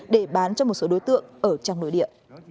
để bán cho một số đối tượng ở trong nội địa